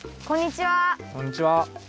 こんにちは。